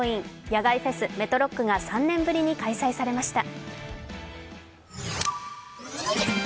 野外フェス・ＭＥＴＲＯＣＫが３年ぶりに開催されました。